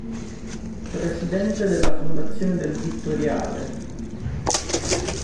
Presidente della Fondazione del Vittoriale.